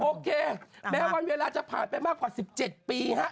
โอเคแม้วันเวลาจะผ่านไปมากกว่า๑๗ปีฮะ